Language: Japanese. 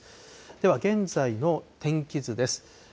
では、現在の天気図です。